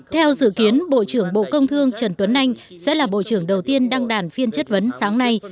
theo dự kiến bộ trưởng bộ công thương trần tuấn anh sẽ là bộ trưởng đầu tiên đăng đàn phiên chất vấn sáng nay